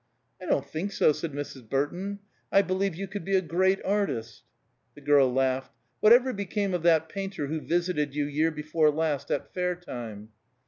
"I don't think so," said Mrs. Burton. "I believe you could be a great artist." The girl laughed. "What ever became of that painter who visited you year before last at fair time?"